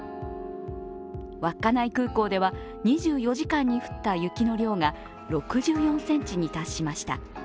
稚内空港では２４時間に降った雪の量が６４ｃｍに達しました。